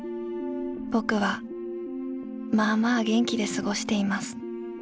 ぼくはまあまあ元気で過しています。